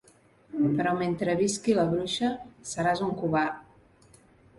Però mentre visqui la Bruixa, seràs un covard.